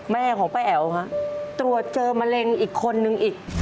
แม่ของป้าแอ๋วค่ะตรวจเจอมะเร็งอีกคนนึงอีก